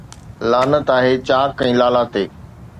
لعنت آهي چاڪ ۽ لالا تي